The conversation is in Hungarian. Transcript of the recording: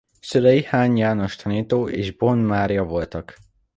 Szülei Haan János tanító és Boon Mária voltak.